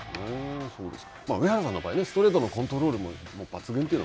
上原さんの場合はストレートのコントロールも抜群